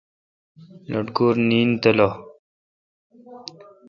لٹکور نیند تیلو۔